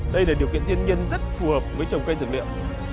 đây là điều kiện thiên nhiên rất phù hợp với trồng cây dược liệu